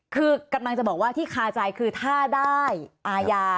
คือกำลังจะบอกว่าที่คาใจคือถ้าได้อาญา